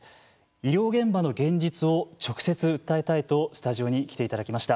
医療現場の現実を直接訴えたいとスタジオに来ていただきました。